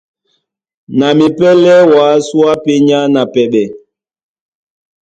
Na mipɛ́lɛ́ wǎ súe á pényá na pɛɓɛ.